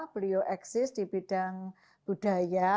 beliau eksis di bidang budaya